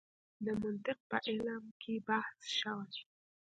د منطق په علم کې بحث شوی.